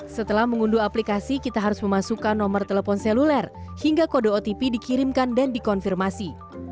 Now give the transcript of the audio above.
setelah mengunduh aplikasi kita harus memasukkan nomor telepon seluler hingga kode otp dikirimkan dan dikonfirmasi